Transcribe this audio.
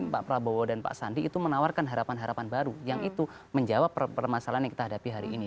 pak prabowo dan pak sandi itu menawarkan harapan harapan baru yang itu menjawab permasalahan yang kita hadapi hari ini